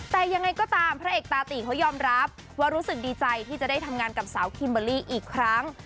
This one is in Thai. แต่ยังไงก็ตามพระเอกตาตีเขายอมรับว่ารู้สึกดีใจที่จะได้ทำงานกับสาวคิมเบอร์รี่อีกครั้ง